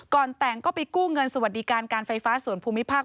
ก่อนแต่งก็ไปกู้เงินสวัสดิการการไฟฟ้าส่วนภูมิภาค